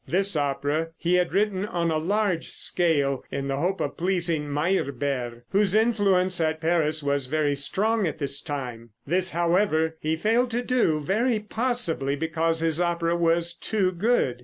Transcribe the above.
This opera he had written on a large scale in the hope of pleasing Meyerbeer, whose influence at Paris was very strong at this time. This, however, he failed to do, very possibly because his opera was too good.